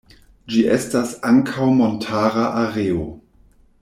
Ĝi estas ankaŭ montara areo.